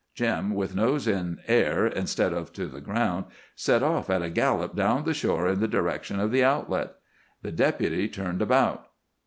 _" Jim, with nose in air instead of to the ground, set off at a gallop down the shore in the direction of the outlet. The Deputy turned about.